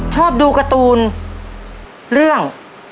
ชอบดูการ์ตูนเรื่อง